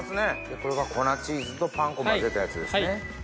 これが粉チーズとパン粉を混ぜたやつですね。